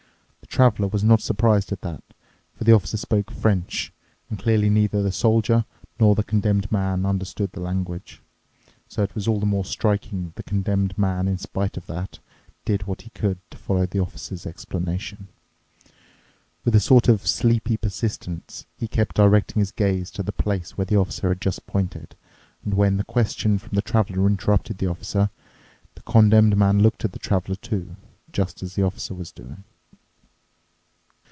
The Traveler was not surprised at that, for the Officer spoke French, and clearly neither the Soldier nor the Condemned Man understood the language. So it was all the more striking that the Condemned Man, in spite of that, did what he could to follow the Officer's explanation. With a sort of sleepy persistence he kept directing his gaze to the place where the Officer had just pointed, and when the question from the Traveler interrupted the Officer, the Condemned Man looked at the Traveler, too, just as the Officer was doing.